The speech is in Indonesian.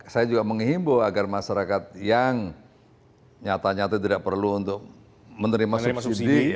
saya juga menghimbau agar masyarakat yang nyata nyata tidak perlu untuk menerima subsidi